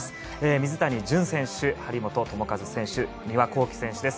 水谷隼選手、張本智和選手丹羽孝希選手です。